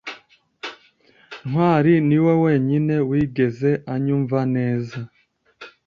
ntwali niwe wenyine wigeze anyumva neza